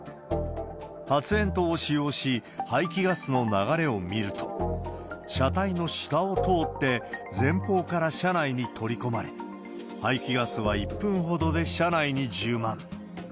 発煙筒を使用し、排気ガスの流れを見ると、車体の下を通って前方から車内に取り込まれ、排気ガスは１分ほどで車内に充満。